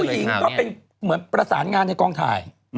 ก็เป็นเหมือนประสานงานในกองถ่าย